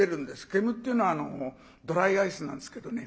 煙っていうのはドライアイスなんですけどね